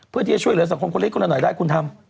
เพื่อที่จะช่วยเหลือสังคมคนเล็กคนละหน่อยได้คุณทำ